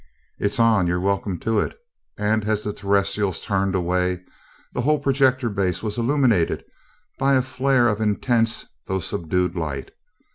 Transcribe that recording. "It's on you're welcome to it," and, as the Terrestrials turned away, the whole projector base was illuminated by a flare of intense, though subdued light.